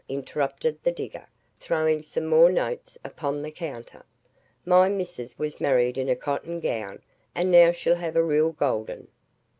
interrupted the digger, throwing some more notes upon the counter. "My missus was married in a cotton gown, and now she'll have a real gold 'un!"